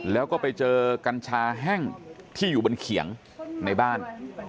แล้วก็ไปเจอกัญชาแห้งที่อยู่บนเขียงในบ้าน